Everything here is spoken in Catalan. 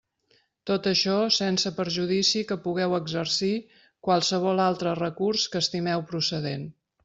Tot això sense perjudici que pugueu exercir qualsevol altre recurs que estimeu procedent.